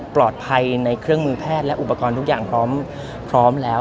ในเครื่องมือแพทย์และอุปกรณ์ทุกอย่างพร้อมแล้ว